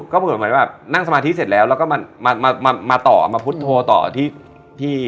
ก็เหมือนว่านั่งสมาธิเสร็จแล้วแล้วก็มามามามามาต่อมาพุทธโทรต่อที่